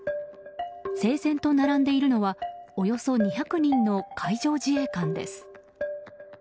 整然と並んでいるのはおよそ２００人の海上自衛官です。